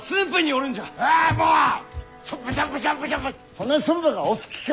そんなに駿府がお好きか！